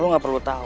lo gak perlu tau